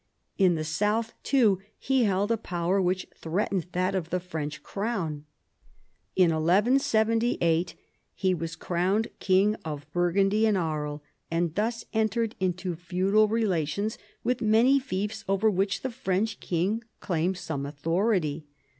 In the south too he held a power which threatened that of the French crown. In 1178 he was crowned king of Burgundy and Aries, and thus entered into feudal relations with many fiefs over which the French king claimed some authority.